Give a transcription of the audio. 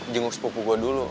jenguk sepuku gue dulu